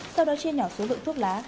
sau đó chia nhỏ số lượng thuốc lá